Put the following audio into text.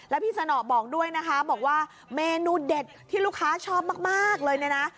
แล้วพี่สนอบอกด้วยนะคะบอกว่าเมนูเด็ดที่ลูกค้าชอบมากเลยเนี่ยนะ